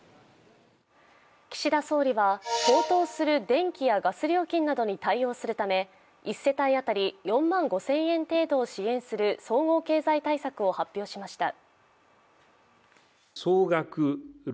岸田総理は高騰する電気やガス料金などに対応するため１世帯当たり４万５０００円程度を支援する総合経済対策を発表しました。